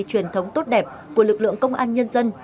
truyền thống tốt đẹp của lực lượng công an nhân dân